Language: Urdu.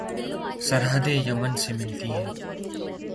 سرحدیں یمن سے ملتی ہیں